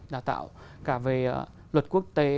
đào tạo cả về luật quốc tế